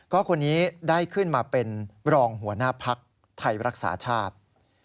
ก็คนนี้ได้ขึ้นมาเป็นรองหัวหน้าภักดิ์ไทยรักษาชาติ